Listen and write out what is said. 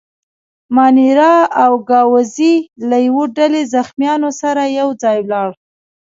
مانیرا او ګاووزي له یوه ډله زخیمانو سره یو ځای ولاړل.